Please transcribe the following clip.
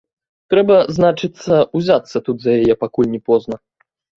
Трэба, значыцца, узяцца тут за яе, пакуль не позна.